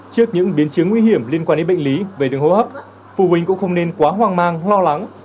trước những biến chứng nguy hiểm liên quan đến bệnh lý về đường hô hấp phụ huynh cũng không nên quá hoang mang lo lắng